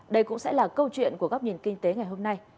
đây cũng sẽ là câu chuyện của góc nhìn kinh tế ngày hôm nay